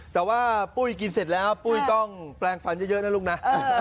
แต่ว่าปุ้ยกินเสร็จแล้วปุ้ยต้องแปลงฟันเยอะนะลูกนะ